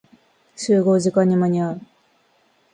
集合時間に間に合う。